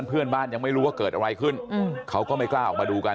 เพื่อนบ้านยังไม่รู้ว่าเกิดอะไรขึ้นเขาก็ไม่กล้าออกมาดูกัน